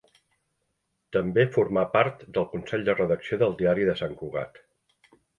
També formà part del consell de redacció del Diari de Sant Cugat.